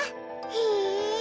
へえ！